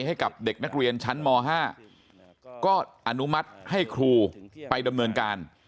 ให้กับเด็กนักเรียนชั้นม๕ก็อนุมัติให้ครูไปดำเนินการ